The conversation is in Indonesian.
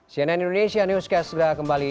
cnn indonesia newscast segera kembali